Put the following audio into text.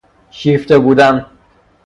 شیفته بودن